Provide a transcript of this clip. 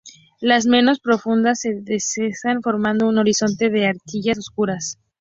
Las menos profundas se secan formando un horizonte de arcillas oscuras.